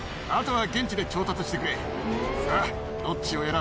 あとは現地で調達してくれ。